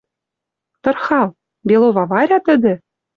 «Тырхал!.. Белова Варя тӹдӹ?